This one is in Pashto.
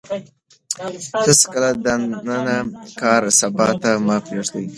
هېڅکله د نن کار سبا ته مه پرېږدئ.